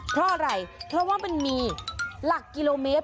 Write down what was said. เพราะอะไรเพราะว่ามันมีหลักกิโลเมตร